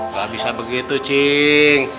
gak bisa begitu cing